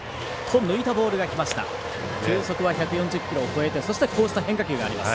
球速は１４０キロを超えてそして、変化球があります。